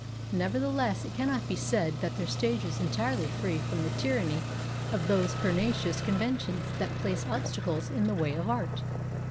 Never theless, it cannot be said that their stage is entirely free from the tyranny of those per nicious conventions that place obstacles in the way of art.